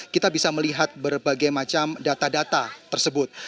kita bisa melihat berbagai macam data data tersebut